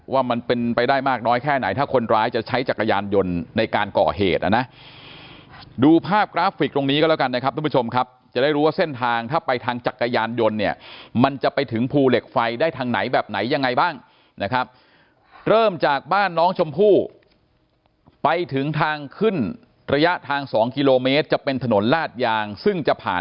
ว่ามันเป็นไปได้มากน้อยแค่ไหนถ้าคนร้ายจะใช้จักรยานยนต์ในการก่อเหตุนะนะดูภาพกราฟิกตรงนี้ก็แล้วกันนะครับทุกผู้ชมครับจะได้รู้ว่าเส้นทางถ้าไปทางจักรยานยนต์เนี่ยมันจะไปถึงภูเหล็กไฟได้ทางไหนแบบไหนยังไงบ้างนะครับเริ่มจากบ้านน้องชมพู่ไปถึงทางขึ้นระยะทาง๒กิโลเมตรจะเป็นถนนลาดยางซึ่งจะผ่าน